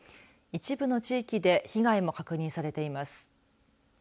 一部の地域で被害も確認されています。